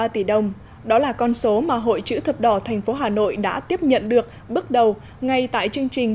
một mươi năm ba tỷ đồng đó là con số mà hội chữ thập đỏ tp hà nội đã tiếp nhận được bước đầu ngay tại chương trình